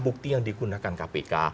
bukti yang digunakan kpk